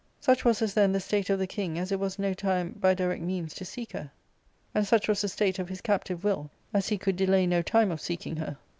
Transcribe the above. Such was as th*en the state of the king as it was no time by direct means to seek her. And such was the state of his captived will as he could delay no time of seeking her.